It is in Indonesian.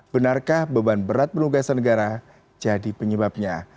benarkah beban berat penugasan negara jadi penyebabnya